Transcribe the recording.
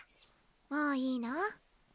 もういいの？